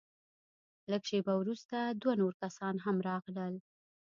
لږه شېبه وروسته دوه نور کسان هم راغلل.